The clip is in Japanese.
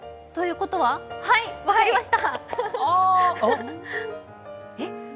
はい、分かりました！